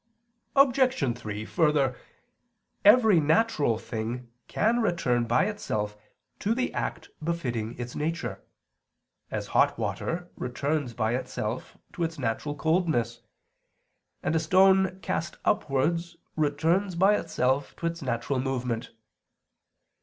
Obj. 3: Further, every natural thing can return by itself to the act befitting its nature, as hot water returns by itself to its natural coldness, and a stone cast upwards returns by itself to its natural movement.